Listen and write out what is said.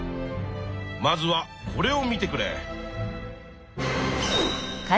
まずはこれを見てくれ。